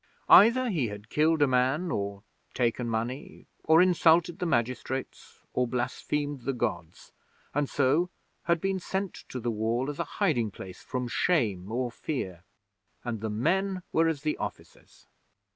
Either he had killed a man, or taken money, or insulted the magistrates, or blasphemed the Gods, and so had been sent to the Wall as a hiding place from shame or fear. And the men were as the officers.